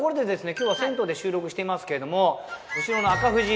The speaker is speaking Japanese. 今日は銭湯で収録していますけれども後ろの紅富士